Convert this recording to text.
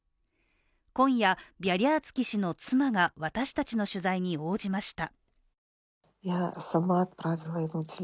今夜、ビャリャーツキ氏の妻が私たちの取材に応じました。